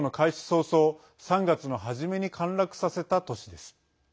早々３月の初めに陥落させた都市です。